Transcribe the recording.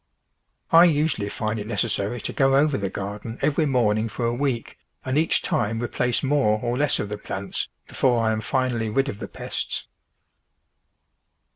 I usually find it necessary to go over the gar den every morning for a week, and each time re place m.ore or less of the plants before I am finally rid of the pests.